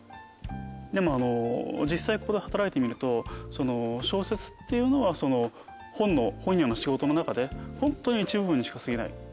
でも実際ここで働いてみると小説っていうのは本屋の仕事の中でホントに一部にしかすぎない。